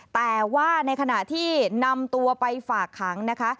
แต่ว่าในขณะที่นำตัวไปฝากขังนะคะ